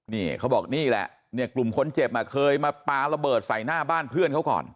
นี่เขาบอกนี่แหละเนี่ยกลุ่มคนเจ็บเคยมาปลาระเบิดใส่หน้าบ้านเพื่อนเขาก่อน